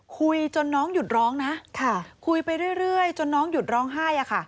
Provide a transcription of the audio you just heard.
คุยจนน้องหยุดร้องนะคุยไปเรื่อยจนน้องหยุดร้องไห้